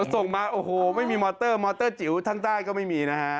ส่งมาโอ้โหไม่มีมอเตอร์มอเตอร์จิ๋วทั้งใต้ก็ไม่มีนะฮะ